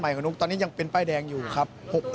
ตัวนี้ยังเป็นป้ายแดงอยู่ครับ